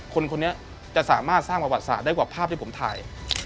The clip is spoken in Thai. คนนี้จะสามารถสร้างประวัติศาสตร์ได้กว่าภาพที่ผมถ่าย